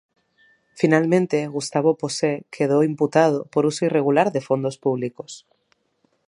Finalmente Gustavo Posse quedó imputado por uso irregular de fondos públicos.